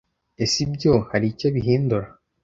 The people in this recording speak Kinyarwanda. Ese ibyo hari icyo bihindura?